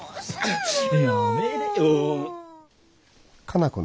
やめれよ。